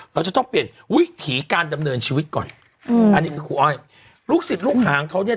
เราจะต้องเปลี่ยนวิถีการดำเนินชีวิตก่อนอืมอันนี้คือครูอ้อยลูกศิษย์ลูกหางเขาเนี่ย